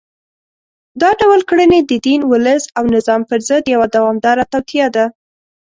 دا ډول کړنې د دین، ولس او نظام پر ضد یوه دوامداره توطیه ده